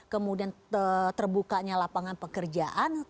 kemudian terbukanya lapangan pekerjaan